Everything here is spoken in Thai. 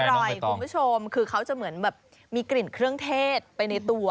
คุณผู้ชมคือเขาจะเหมือนแบบมีกลิ่นเครื่องเทศไปในตัว